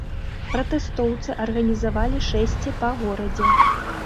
Пратэстоўцы арганізавалі шэсце па горадзе.